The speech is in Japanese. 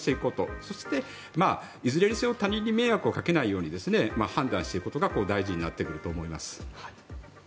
そして、いずれにせよ他人に迷惑をかけないように判断することが大事になってくると思います。